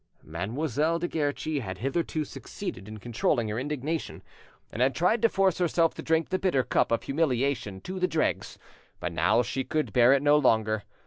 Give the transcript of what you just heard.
Mademoiselle de Guerchi had hitherto succeeded in controlling her indignation, and had tried to force herself to drink the bitter cup of humiliation to the dregs; but now she could bear it no longer.